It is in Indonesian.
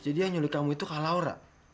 jadi yang nyulik kamu itu kak laura